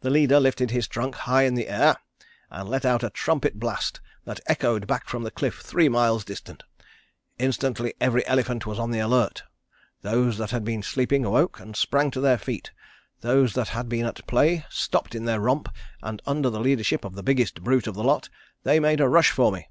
The leader lifted his trunk high in the air, and let out a trumpet blast that echoed back from the cliff three miles distant. Instantly every elephant was on the alert. Those that had been sleeping awoke, and sprang to their feet. Those that had been at play stopped in their romp, and under the leadership of the biggest brute of the lot they made a rush for me.